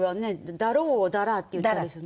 「だろう」を「だら」って言ったりする。